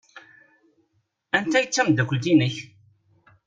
Anita i d tamdakelt-inek?